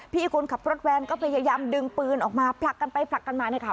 พี่คนขับรถแวนก็พยายามดึงปืนออกมาผลักกันไปผลักกันมาเนี่ยค่ะ